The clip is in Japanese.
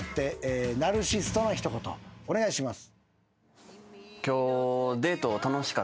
お願いします。